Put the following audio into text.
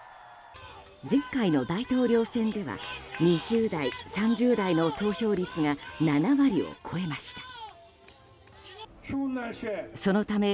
前回の大統領選では２０代、３０代の投票率が７割を超えました。